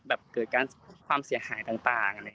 แบบเกิดการความเสียหายต่างอะไรอย่างนี้